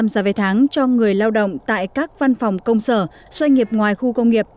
năm mươi giá vé tháng cho người lao động tại các văn phòng công sở doanh nghiệp ngoài khu công nghiệp